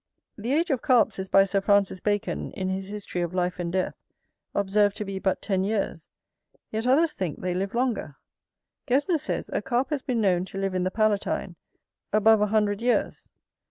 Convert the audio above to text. The age of Carps is by Sir Francis Bacon, in his History of Life and Death, observed to be but ten years; yet others think they live longer. Gesner says, a Carp has been known to live in the Palatine above a hundred years.